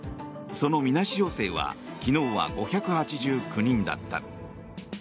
そのみなし陽性は昨日は５８９人だった。